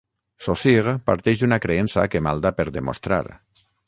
Saussure parteix d'una creença que malda per demostrar.